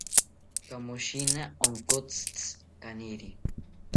Kamoshina onkotzitzi kaniri